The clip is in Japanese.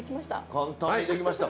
簡単にできました。